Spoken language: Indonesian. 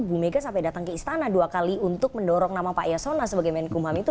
bu mega sampai datang ke istana dua kali untuk mendorong nama pak yasona sebagai menkumham itu